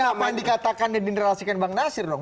itu akan dikatakan dan direlasikan bang nasir dong